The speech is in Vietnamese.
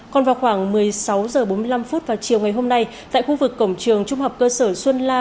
còn vào khoảng một mươi sáu h bốn mươi năm vào chiều ngày hôm nay tại khu vực cổng trường trung học cơ sở xuân la